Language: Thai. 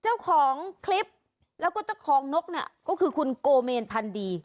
เจ้าของคลิปแล้วก็เจ้าของนกเนี่ยก็คือคุณโกเมนพันดี